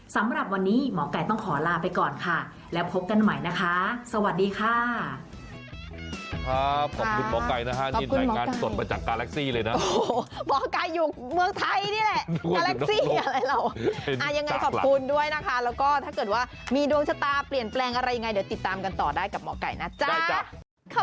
สำหรับวันนี้หมอไก่ต้องขอลาไปก่อนค่ะแล้วพบกันใหม่นะคะสวัสดีค่ะ